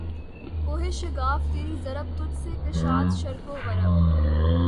کوہ شگاف تیری ضرب تجھ سے کشاد شرق و غرب